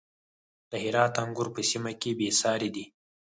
د هرات انګور په سیمه کې بې ساري دي.